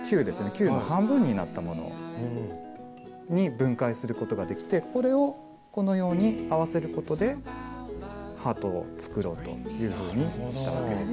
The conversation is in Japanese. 球の半分になったものに分解することができてこれをこのように合わせることでハートを作ろうというふうにしたわけです。